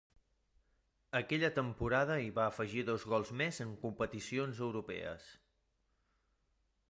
Aquella temporada hi va afegir dos gols més a competicions europees.